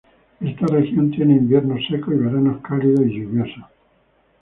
Esta región tiene inviernos secos y veranos cálidos y lluviosos.